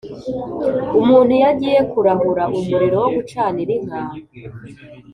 Umuntu iyo agiye kurahura umuriro wo gucanira inka